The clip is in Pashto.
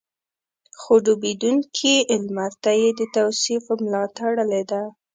خو ډوبېدونکي لمر ته يې د توصيف ملا تړلې ده.